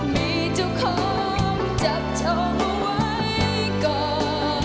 มีเจ้าของจับเธอไว้ก่อน